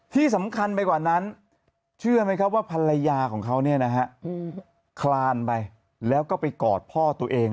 ที่สำคัญไปกว่านั้นเชื่อไหมครับว่าภรรยาของเขาคลานไปแล้วก็ไปกอดพ่อตัวเอง